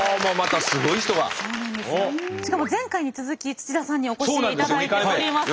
しかも前回に続き土田さんにお越しいただいております。